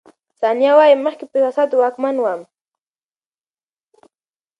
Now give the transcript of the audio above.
ثانیه وايي، مخکې په احساساتو واکمن وم.